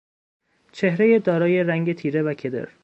چهرهی دارای رنگ تیره و کدر